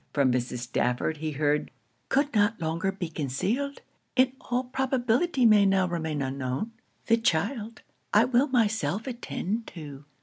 From Mrs. Stafford he heard 'Could not longer be concealed in all probability may now remain unknown the child, I will myself attend to.'